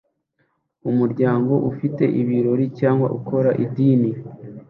umuryango ufite ibirori cyangwa ukora idini